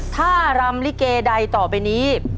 ถ้ารำลิเกใดต่อไปนี้